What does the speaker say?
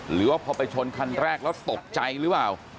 หรือว่าพอไปชนคันแรกแล้วตกใจหรือเปล่า